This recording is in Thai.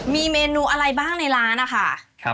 มีเมนูอะไรบ้างในร้านนะคะ